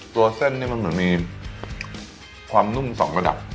เส้นนี่มันเหมือนมีความนุ่มสองระดับ